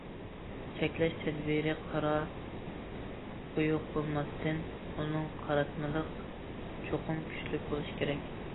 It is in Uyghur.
چەكلەش تەدبىرى قارا- قويۇق بولماستىن، ئۇنىڭ قاراتمىلىقى چوقۇم كۈچلۈك بولۇشى كېرەك.